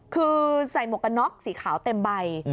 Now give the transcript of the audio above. คือใส่หมวกกันน็อกสีขาวเต็มใบ